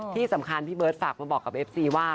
ที่สำคัญพี่เบิร์ตฝากมาบอกกับเอฟซีว่า